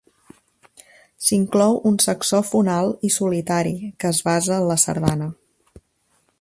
S'inclou un saxòfon alt i solitari que es basa en la sardana.